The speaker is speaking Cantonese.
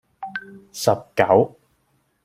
十九